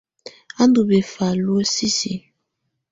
A ndu bɛfa luǝ́ sisiǝ.